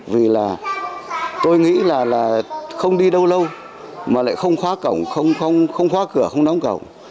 vì là tôi nghĩ là không đi đâu lâu lâu mà lại không khóa cổng không khóa cửa không đóng cổng